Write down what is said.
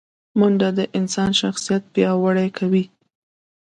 منډه د انسان شخصیت پیاوړی کوي